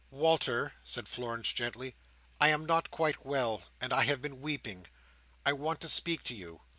"Walter," said Florence, gently, "I am not quite well, and I have been weeping. I want to speak to you."